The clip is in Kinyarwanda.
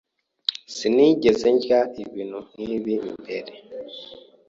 Sinigeze ndya ibintu nk'ibi mbere.